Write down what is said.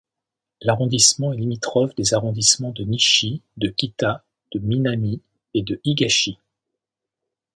L'arrondissement est limitrophe des arrondissements de Nishi, de Kita, de Minami et de Higashi.